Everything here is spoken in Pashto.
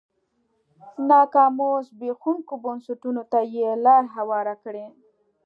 ناکامو زبېښونکو بنسټونو ته یې لار هواره کړه.